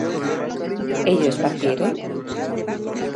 ¿ellos partieron?